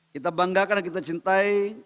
kita banggakan dan kita cintai